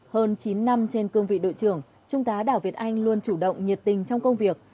hơn chín năm trên cương vị đội trưởng trung tá đảo việt anh luôn chủ động nhiệt tình trong công việc